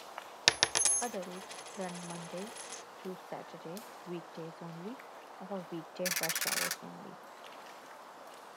Other routes run Monday through Saturday, weekdays only, or weekday rush hours only.